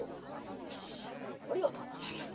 よしありがとうございます。